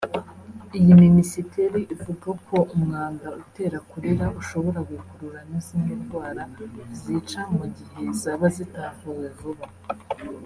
Iyi minisiteri ivuga ko umwanda utera korela ushobora gukurura n’izindi ndwara zica mu gihe zaba zitavuwe vuba